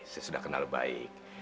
saya sudah kenal baik